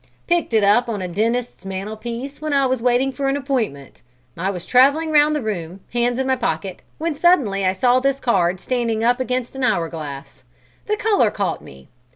"Picked it up on a dentist's mantelpiece when I was waiting for an appointment. I was traveling round the room, hands in my pockets, when suddenly I saw this card standing up against an hour glass. The color caught me.